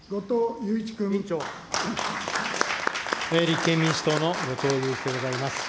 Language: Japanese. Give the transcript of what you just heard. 立憲民主党の後藤祐一でございます。